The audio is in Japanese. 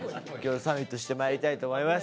サミットしてまいりたいと思います。